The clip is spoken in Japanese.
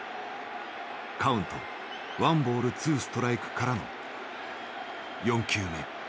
カウントワンボールツーストライクからの４球目。